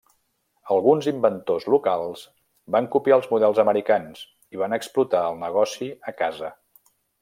Alguns inventors locals van copiar els models americans, i van explotar el negoci a casa.